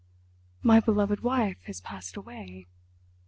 "My beloved wife has passed away!"